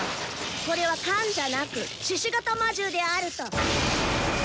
これは缶じゃなく獅子型魔獣であると！